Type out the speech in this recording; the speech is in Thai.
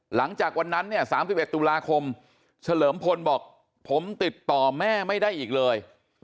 หลังจากวันนั้นเนี่ย๓๑ตุลาคมเฉลิมพลบอกผมติดต่อแม่ไม่ได้อีกเลย